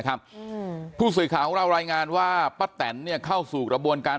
ครับผู้สวยข่าวเรารายงานว่าป๊ะแต่นเนี่ยเข้าสู่กระบวนการ